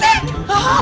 terus bu endang